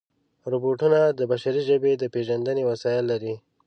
روبوټونه د بشري ژبې د پېژندنې وسایل لري.